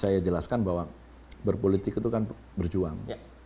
saya jelaskan bahwa berpolitik itu kan berjuang